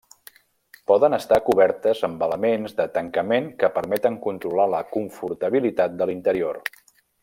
Poden estar cobertes amb elements de tancament que permeten controlar la confortabilitat de l'interior.